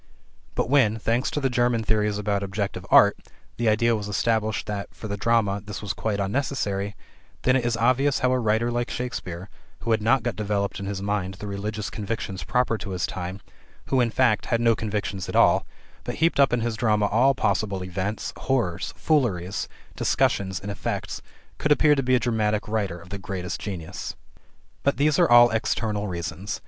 But when, thanks to the German theories about objective art, the idea was established that, for the drama, this was quite unnecessary, then it is obvious how a writer like Shakespeare who had not got developed in his mind the religious convictions proper to his time, who, in fact, had no convictions at all, but heaped up in his drama all possible events, horrors, fooleries, discussions, and effects could appear to be a dramatic writer of the greatest genius. But these are all external reasons.